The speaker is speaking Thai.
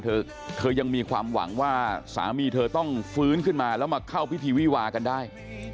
เธอยังมีความหวังว่าสามีเธอต้องฟื้นขึ้นมาแล้วมาเข้าพิธีวิวากันได้